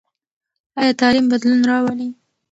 ایا تعلیم بدلون راولي؟